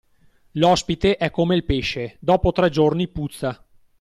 L'ospite è come il pesce: dopo tre giorni puzza.